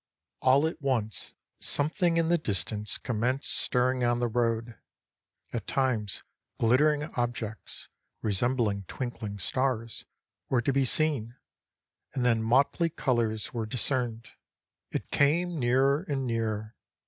All at once something in the distance commenced stir ring on the road ; at times glittering objects, resembling twinkling stars, were to be seen, and then motley colors were discerned; it came nearer and nearer.